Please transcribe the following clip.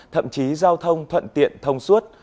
thậm chí giao thông thuận tiện thông suốt